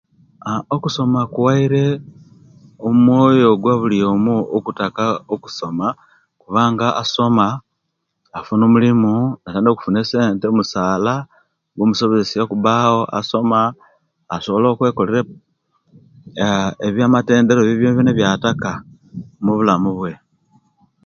Aa okusoma kuwaire omwoyo gwa buli oomu okutaka okusoma, kubanga asoma afuna omulimu natandika okufuna essente, omusaala ngomusomesia asobola okubaawo okwekolera ebya matendero ebyo byobyonna ebyataka omubulamu bwe.